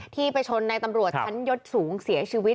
ไปชนในตำรวจชั้นยศสูงเสียชีวิต